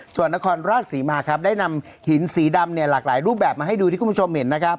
ส่วนนครราชศรีมาครับได้นำหินสีดำเนี่ยหลากหลายรูปแบบมาให้ดูที่คุณผู้ชมเห็นนะครับ